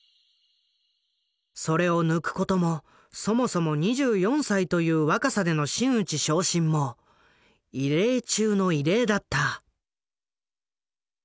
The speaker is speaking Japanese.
それを抜くこともそもそも２４歳という若さでの真打ち昇進も異例中の異例だった。